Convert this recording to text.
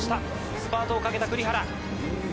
スパートをかけた栗原。